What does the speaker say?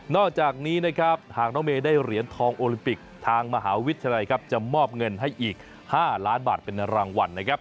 นอกจากนี้หากน้องเมริชน์ได้เหรียญทองโอลิมปิกทางมหาวิทยาลัยจะมอบเงินให้อีก๕ล้านบาทเป็นรางวัล